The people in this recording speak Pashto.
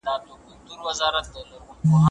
څوک د حضوري تدريس عملي تمرینونه ترسره کوي؟